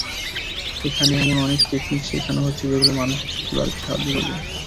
এখানে এমন অনেক টেকনিক শেখানো হচ্ছে, যেগুলো মানসিক শক্তি বাড়াতে সাহায্য করবে।